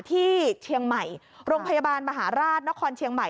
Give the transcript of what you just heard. ที่เชียงใหม่โรงพยาบาลมหาราชนครเชียงใหม่